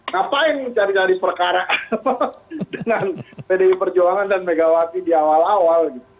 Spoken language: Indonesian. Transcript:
ngapain mencari cari perkara dengan pdi perjuangan dan megawati di awal awal